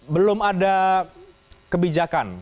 belum ada kebijakan